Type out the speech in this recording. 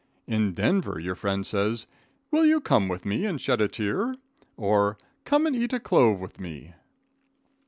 In Denver your friend says: "Will you come with me and shed a tear?" or "Come and eat a clove with me."